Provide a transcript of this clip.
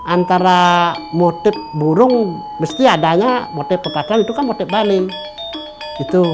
antara motif burung mesti adanya motif pepatran itu kan motif bali